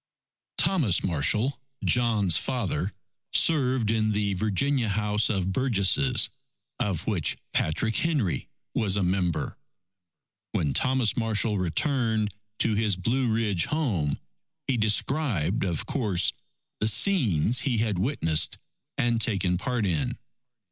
_ Thomas Marshall, John's father, served in the Virginia House of Burgesses of which Patrick Henry was a member. When Thomas Marshall returned to his Blue Ridge home, he described, of course, the scenes he had witnessed and taken part in.